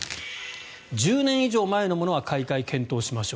１０年以上前のものは買い替えを検討しましょう。